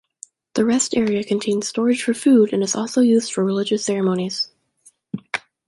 The rest area contains storage for food and is also used for religious ceremonies.